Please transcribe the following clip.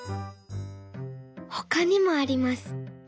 ほかにもあります。